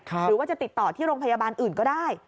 หรือว่าจะติดต่อที่โรงพยาบาลอื่นก็ได้